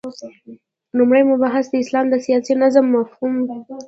لومړی مبحث : د اسلام د سیاسی نظام مفهوم